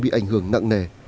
bị ảnh hưởng nặng nề